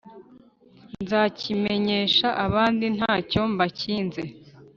nzakimenyesha abandi nta cyo mbakinze,